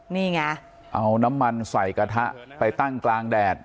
นี่ไงเอาน้ำมันใส่กระทะไปตั้งกลางแดด